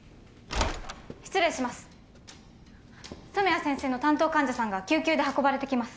失礼します染谷先生の担当患者さんが救急で運ばれてきます